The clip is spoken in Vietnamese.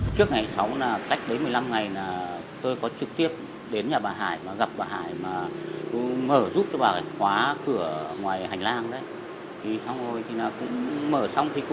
trước ngày sáu cách đến một mươi năm ngày tôi có trực tiếp đến nhà bà hải gặp bà hải mở giúp cho bà khóa cửa ngoài hành lang mở xong thì cũng ngồi trò chuyện ngồi ăn một lúc thì xong đi về